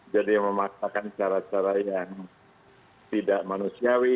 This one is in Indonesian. jadi memaksakan cara cara yang tidak manusiawi